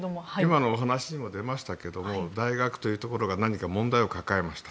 今のお話にも出ましたけど大学というところが何か問題を抱えました。